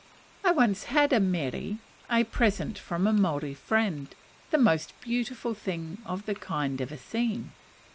I had once a mere, a present from a Maori friend, the most beautiful thing of the kind ever seen.